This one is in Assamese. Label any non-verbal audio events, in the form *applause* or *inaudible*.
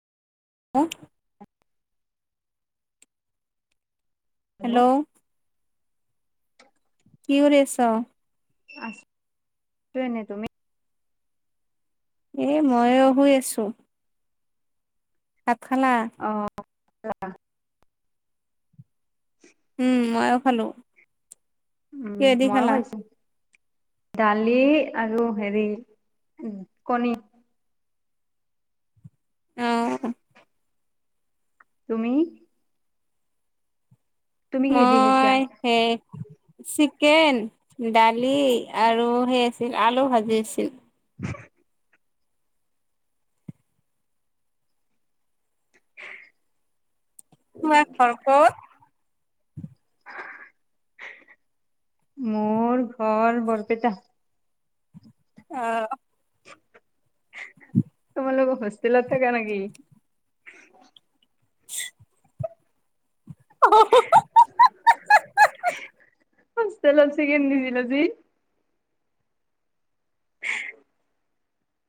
হ *inaudible* হেল্ল'? কি কৰি আছ? আছো এনেই, তুমি? এ মইয়ো শুই আছোঁ। ভাত খালা? অ' *unintelligible* উম, ময়ো খালো। উম, কিহেদি মইও খালা? খাইছোঁ। দালি আৰু হেৰি কণী। অ' তুমি? তুমি কিহেদি খাইছা মই সেই চিকেন, দালি আৰু সেই আছিল আলু ভাজি আছিল। হয় *inaudible* তোমাৰ ঘৰ ক'ত? মোৰ ঘৰ বৰপেটা। অ' তোমালোক হোষ্টেলত থাকা নেকি? *unintelligible* হ *inaudible* হোষ্টেলত চিকেন নিদিল আজি?